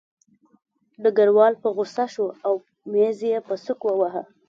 ډګروال په غوسه شو او مېز یې په سوک وواهه